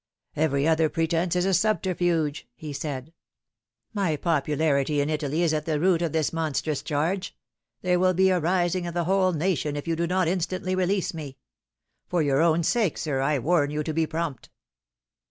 "Every other pretence is a subterfuge," he said. "My popularity in Italy is at the root of this monstrous charge. There will be a rising of the whole nation if you do not instantly release me. For your own sake, sir, I warn you to be prompt.